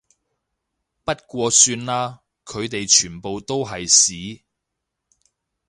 不過算啦，佢哋全部都係屎